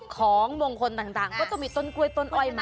ของมงคลต่างก็จะมีต้นกล้วยต้นอ้อยมา